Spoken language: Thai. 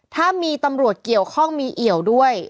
ถ้ามีตำรวจเกี่ยวข้องมีเอี่ยวด้วย